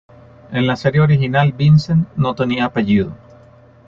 En la serie original, Vincent no tenía apellido.